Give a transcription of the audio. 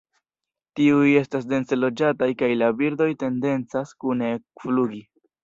Tiuj estas dense loĝataj kaj la birdoj tendencas kune ekflugi.